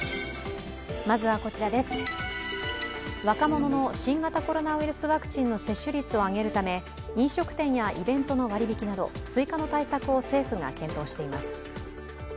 若者の新型コロナウイルスワクチンの接種率を上げるため飲食店やイベントの割り引きなど追加の対策を政府が検討しています。